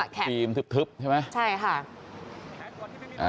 เป็นกระจกฟีมทึบใช่ไหมใช่ค่ะ